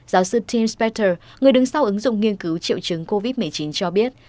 giáo sư tim spector người đứng sau ứng dụng nghiên cứu triệu chứng covid một mươi chín cho biết